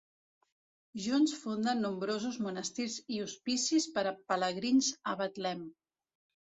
Junts funden nombrosos monestirs i hospicis per a pelegrins a Betlem.